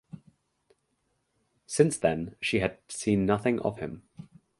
Since then she had seen nothing of him.